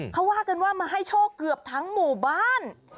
เขาว่ากันว่ามาให้โชคเกือบทั้งหมู่บ้าน